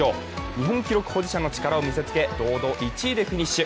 日本記録保持者の力を見せつけ、堂々１位でフィニッシュ。